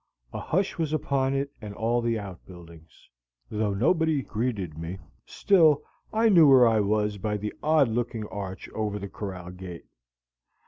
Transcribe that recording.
A hush was upon it and all the out buildings. Though nobody greeted me, still I knew where I was by the odd looking arch over the corral gate.